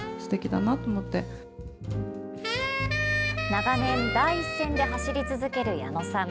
長年、第一線で走り続ける矢野さん。